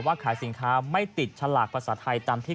ไม่ไม่ต้องปล่อยให้รอ